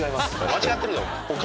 間違ってるよ。